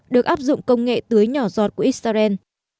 được áp dụng công nghệ tưới nhỏ giọt của israel